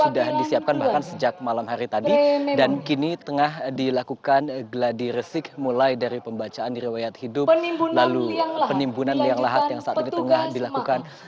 sudah disiapkan bahkan sejak malam hari tadi dan kini tengah dilakukan geladi resik mulai dari pembacaan diriwayat hidup lalu penimbunan liang lahat yang saat ini tengah dilakukan